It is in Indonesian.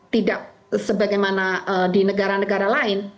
tidak sebagaimana di negara negara lain